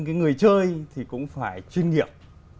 cái người chơi thì cũng phải chuyên nghiệp